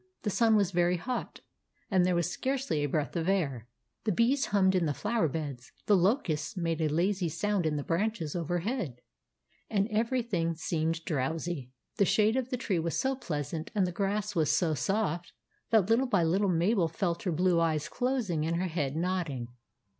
The sun was very hot, and there was scarcely a breath of air. The bees hummed in the flower beds ; the locusts made a lazy sound in the branches overhead ; and every thing seemed drowsy. The shade of the tree was so pleasant, and the grass was so soft, that little by little Mabel felt her blue eyes closing and her head nodding.